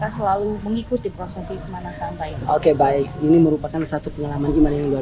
selalu ada doa